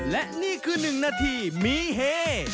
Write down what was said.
และนี่คือ๑นาทีมีเฮ